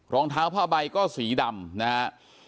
รองเท้าผ้าใบก็สีดำนะฮะ